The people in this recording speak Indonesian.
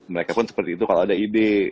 mereka pun seperti itu kalau ada ide